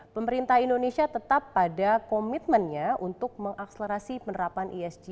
pemerintah indonesia tetap pada komitmennya untuk mengakselerasi penerapan esg